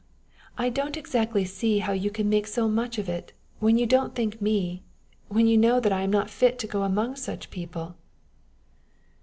I don't exactly see how you can make so much of it, when you don't think me when you know I am not fit to go among such people."